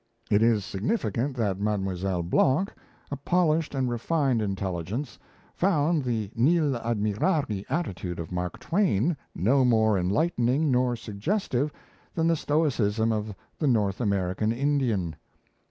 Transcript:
It is significant that Mme. Blanc, a polished and refined intelligence, found the nil admirari attitude of "Mark Twain" no more enlightening nor suggestive than the stoicism of the North American Indian.